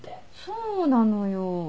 そうなのよ。